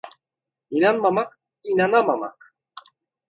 İnanmamak, inanamamak.